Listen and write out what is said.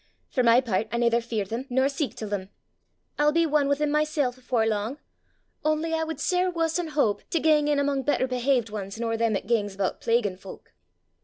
For my pairt I naither fear them nor seek til them: I'll be ane wi' them mysel' afore lang! only I wad sair wuss an' houp to gang in amo' better behavet anes nor them 'at gangs aboot plaguin' folk."